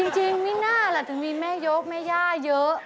จริงไม่น่าล่ะถึงมีแม่ยกแม่ย่าเยอะ